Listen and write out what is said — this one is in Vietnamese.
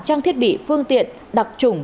trang thiết bị phương tiện đặc trùng